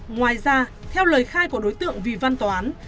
ngoài ra theo lời khai của đối tượng vì văn toán